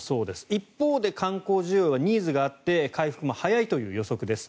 一方で観光需要はニーズがあって回復も早いという予測です。